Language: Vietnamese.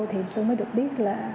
thì tôi mới được biết là